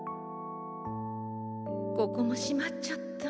ここもしまっちゃった。